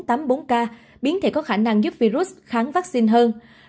e bốn trăm tám mươi bốn k biến thể có khả năng giúp virus kháng vaccine hơn